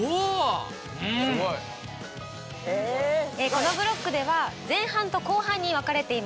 このブロックでは前半と後半に分かれています。